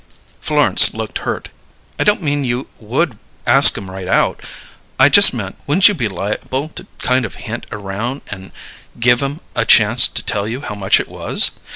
Florence looked hurt. "I don't mean you would ask 'em right out. I just meant: Wouldn't you be liable to kind of hint around an' give 'em a chance to tell you how much it was?